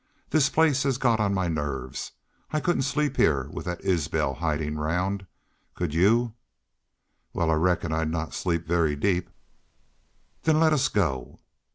This place has got on my nerves. I couldn't sleep heah with that Isbel hidin' around. Could y'u?" "Wal, I reckon I'd not sleep very deep." "Then let us go."